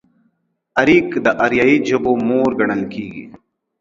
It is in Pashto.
اريک د اريايي ژبو مور ګڼل کېږي.